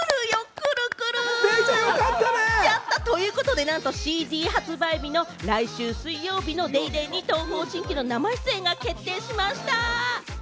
来る来る！ということで、なんとＣＤ発売日の来週水曜日の『ＤａｙＤａｙ．』に東方神起の生出演が決定しました！